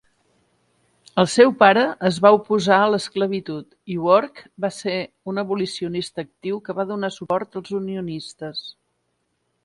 El seu pare es va oposar a l'esclavitud i Work va ser un abolicionista actiu que va donar suport als unionistes.